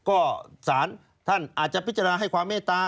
ก็สารท่านอาจจะพิจารณาให้ความเมตตา